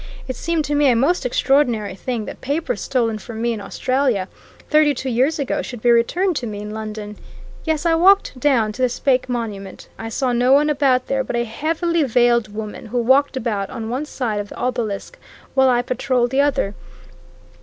It seemed to me a most extraordinary thing that papers stolen from me in Australia thirty two years ago should be returned to me in London! Yes, I walked down to the Speke Monument. I saw no one about there but a heavily veiled woman who walked about on one side of the obelisk while I patrolled the other.